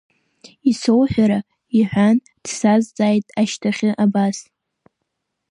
Ишсоуҳәара, — иҳәан, дсазҵааит ашьҭахьы абас…